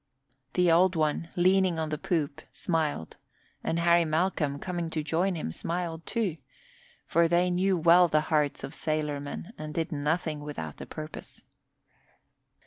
The Old One, leaning on the poop, smiled and Harry Malcolm, coming to join him, smiled too; for they knew well the hearts of sailormen and did nothing without a purpose.